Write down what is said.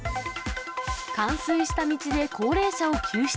冠水した道で高齢者を救出。